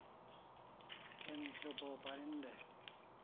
Emi chopa o parin dai